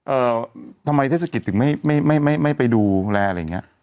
เอ่อทำไมเทศกิจถึงไม่ไม่ไม่ไม่ไปดูแลอะไรอย่างเงี้ย